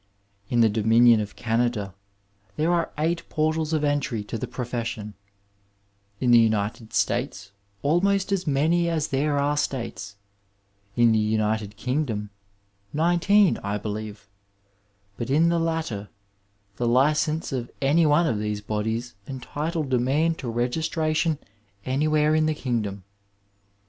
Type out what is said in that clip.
In the Dominion of Canada there are eight portals of entry to the profession, in the United States ahnost as many as there are States, in the United King dom nineteen, I believe, but in the latter the license of any one of these bodies entitled a man to registration any where in the kingdom.